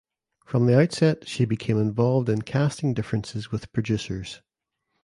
From the outset she became involved in "casting differences" with producers.